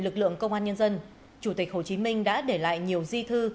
lực lượng công an nhân dân chủ tịch hồ chí minh đã để lại nhiều di thư